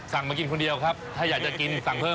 มากินคนเดียวครับถ้าอยากจะกินสั่งเพิ่ม